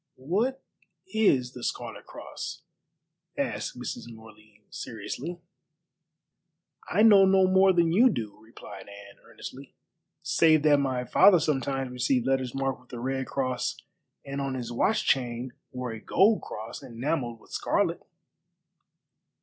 "What is the Scarlet Cross?" asked Mrs. Morley seriously. "I know no more than you do," replied Anne earnestly, "save that my father sometimes received letters marked with a red cross and on his watch chain wore a gold cross enamelled with scarlet."